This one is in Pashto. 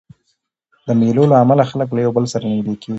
د مېلو له امله خلک له یو بل سره نږدې کېږي.